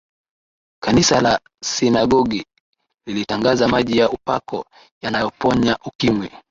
kanisa la sinagogi lilitangaza maji ya upako yanayoponya ukimwi